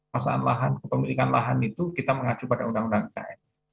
perasaan lahan kepemilikan lahan itu kita mengacu pada undang undang ikn